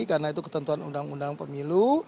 karena itu ketentuan undang undang pemilu